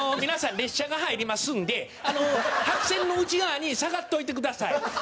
列車が入りますんで白線の内側に下がっといてください。